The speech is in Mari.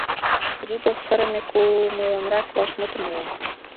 — Грибов сырыме кумылынрак вашмутым муо.